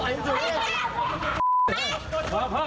วัยอยู่ในนั้นฮะ